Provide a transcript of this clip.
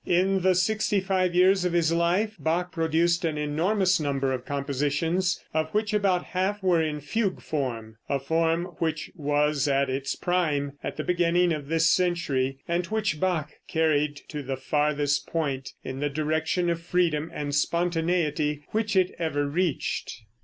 In the sixty five years of his life, Bach produced an enormous number of compositions, of which about half were in fugue form, a form which was at its prime at the beginning of this century and which Bach carried to the farthest point in the direction of freedom and spontaneity which it ever reached.